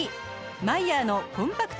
マイヤーのコンパクト